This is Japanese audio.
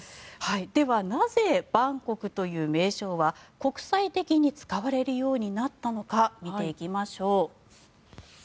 ではなぜ、バンコクという名称は国際的に使われるようになったのか見ていきましょう。